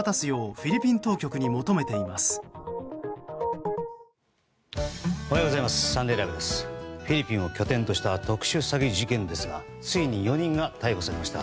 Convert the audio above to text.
フィリピンを拠点とした特殊詐欺事件ですがついに４人が逮捕されました。